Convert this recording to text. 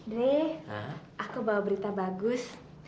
deh aku bawa berita bagus